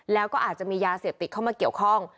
แล้วก็อาจจะมียาเสพติดเข้ามาเกี่ยวข้อง